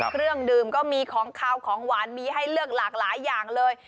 เครื่องดื่มก็มีของขาวของหวานมีให้เลือกหลากหลายอย่างเลย